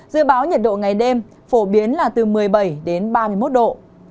dự báo nhiệt độ ngày đêm phổ biến là từ một mươi bảy đến ba mươi một độ